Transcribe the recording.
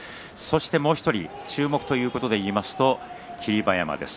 もう１人注目ということで言いますと霧馬山です。